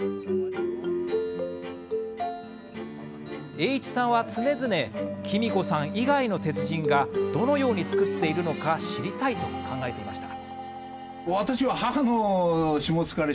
栄一さんは常々きみ子さん以外の鉄人がどのように作っているのか知りたいと考えていました。